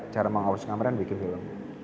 cara mengawasi kamera dan bikin film